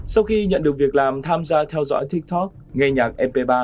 sau khi nhận được việc làm tham gia theo dõi tiktok nghe nhạc fp ba